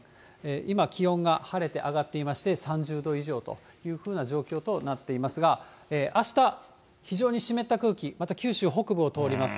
今、気温が、晴れて上がっていまして、３０度以上というふうな状況となっていますが、あした、非常に湿った空気、また九州北部を通ります。